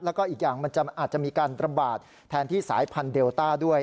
แล้วก็อีกอย่างมันอาจจะมีการระบาดแทนที่สายพันธุเดลต้าด้วย